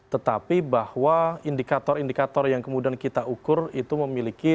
tetapi bahwa indikator indikator yang kemudian kita ukur itu memiliki